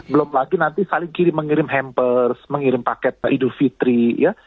belum lagi nanti saling kirim mengirim hampers mengirim paket pak idul fitri ya